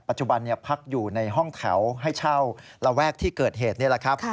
ปัจจุบันพักอยู่ในห้องแถวให้เช่าระแวะที่เกิดเหตุนี้